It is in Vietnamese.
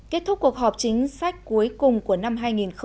kết thúc cuộc họp chính sách cuối cùng của năm hai nghìn hai mươi